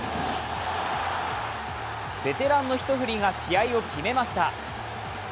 ベテランの一振りが試合を決めました。